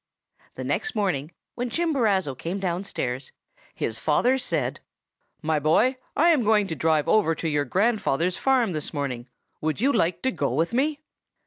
"The next morning, when Chimborazo came downstairs, his father said, 'My boy, I am going to drive over to your grandfather's farm this morning; would you like to go with me?